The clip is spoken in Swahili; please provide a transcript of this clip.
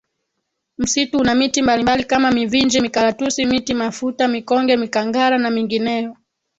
Msitu una miti mbalimbali kama mivinje mikaratusi miti mafuta mikonge mikangara na mingineyo